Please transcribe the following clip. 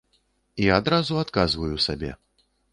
І адразу адказваю сабе.